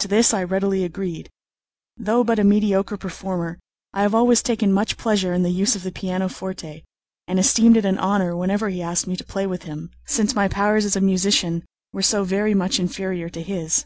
To this I readily agreed. Though but a mediocre performer, I have always taken much pleasure in the use of the pianoforte, and esteemed it an honour whenever he asked me to play with him, since my powers as a musician were so very much inferior to his.